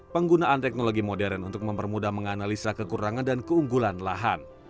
penggunaan teknologi modern untuk mempermudah menganalisa kekurangan dan keunggulan lahan